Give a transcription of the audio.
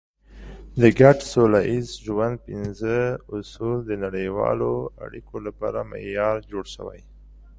د ګډ سوله ییز ژوند پنځه اصول د نړیوالو اړیکو لپاره معیار جوړ شوی.